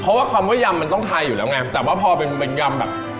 เพราะว่าคำว่ายำมันต้องไทยอยู่แล้วไงแต่ว่าพอเป็นยำแบบ